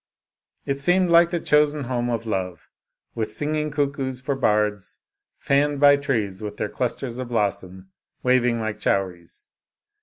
It seemed like the chosen home of love, with singing cuckoos for bards, fanned by trees with their clus ters of blossoms, waving like chowries.